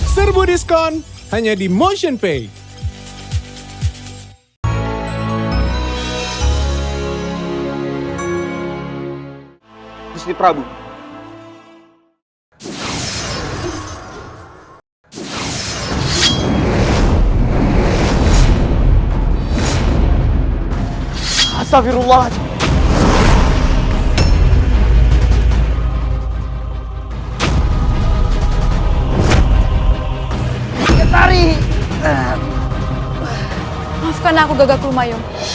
serbu diskon hanya di motionpay